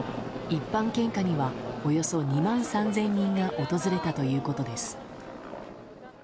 一般献花にはおよそ２万３０００人が訪れたということです。